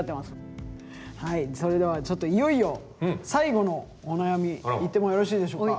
それではちょっといよいよ最後のお悩みいってもよろしいでしょうか。